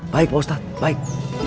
baik pak ustadz baik